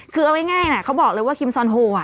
คือเอาง่ายนะเขาบอกเลยว่าคิมซอนโฮ